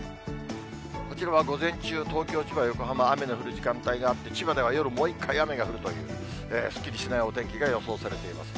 こちらは午前中、東京、千葉、横浜、雨の降る時間帯があって、千葉では夜もう一回、雨が降るという、すっきりしないお天気が予想されています。